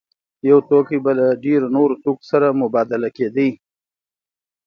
یو توکی به له ډېرو نورو توکو سره مبادله کېده